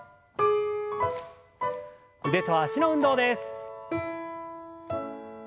腕と脚の運動です。